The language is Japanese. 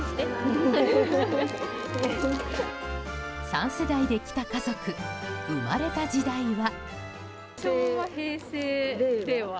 ３世代で来た家族生まれた時代は。